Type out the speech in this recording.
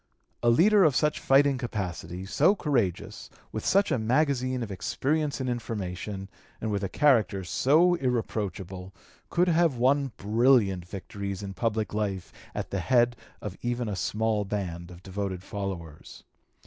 A leader of such fighting capacity, so courageous, with such a magazine of experience and information, and with a character so irreproachable, could have won brilliant victories in public life at the head of (p. 231) even a small band of devoted followers.